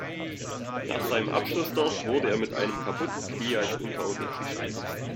Nach seinem Abschluss dort wurde er mit einem kaputten Knie als untauglich beschrieben.